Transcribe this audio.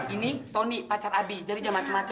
ini tony pacar abi jadi jangan macem macem lo ya